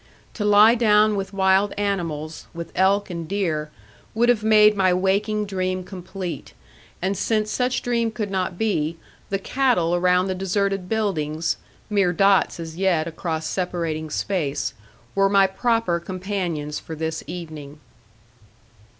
To lie down with wild animals, with elk and deer, would have made my waking dream complete; and since such dream could not be, the cattle around the deserted buildings, mere dots as yet across separating space, were my proper companions for this evening.